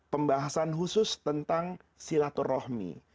pembahasan khusus tentang silaturrohmi